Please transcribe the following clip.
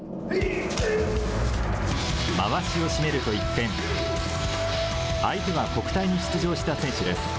まわしを締めると一変、相手は国体に出場した選手です。